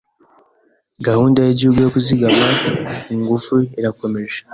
Gahunda yigihugu yo kuzigama ingufu irakomeje.